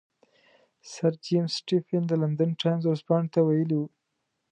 سر جیمز سټیفن د لندن ټایمز ورځپاڼې ته ویلي وو.